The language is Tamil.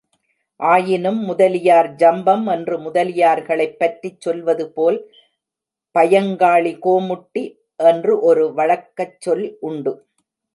ஆயினும் முதலியார் ஜம்பம்! என்று முதலியார்களைப் பற்றிச் சொல்வதுபோல், பயங்காளி கோமுட்டி என்று ஒரு வழக்கச் சொல் உண்டு.